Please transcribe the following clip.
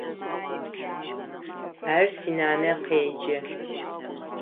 Ар синанэ къеджэ.